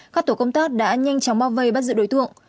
các tổ công tác đã nhanh chóng bao vây bắt giữ đối tượng